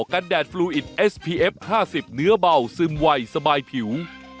กันแดดฟลวยิททธิ์เอสพีเอฟห้าสิบเนื้อเบาซึมไหวสบายผิว